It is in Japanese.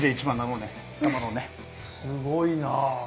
すごいな。